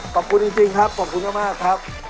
ขอบคุณจริงครับขอบคุณมากครับ